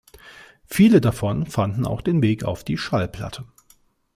Viele davon fanden auch den Weg auf die Schallplatte.